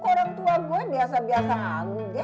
orang tua gue biasa biasa aja